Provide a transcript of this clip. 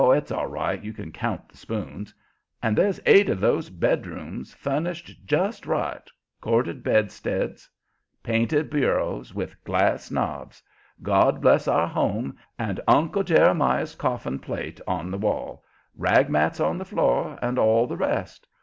it's all right, you can count the spoons and there's eight of those bedrooms furnished just right, corded bedsteads, painted bureaus with glass knobs, 'God Bless Our Home' and Uncle Jeremiah's coffin plate on the wall, rag mats on the floor, and all the rest.